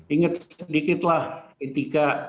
ingat sedikitlah ketika